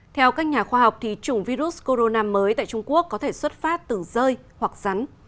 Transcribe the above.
theo các nhà khoa học chủng virus corona mới tại trung quốc có thể xuất phát từ rơi hoặc rắn